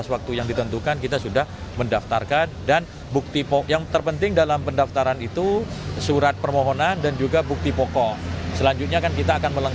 waktu yang disediakan oleh undang undang